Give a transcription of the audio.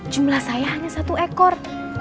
jumlah saya hanya satu ekor